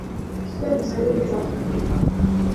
Sina pesa nyingi za kukupa